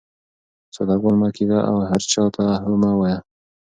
ساده ګل مه کېږه او هر چا ته هو مه وایه.